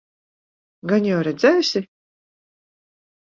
Gan jau redzēsi?